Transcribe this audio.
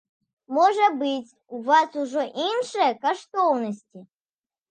Можа быць, у вас ужо іншыя каштоўнасці?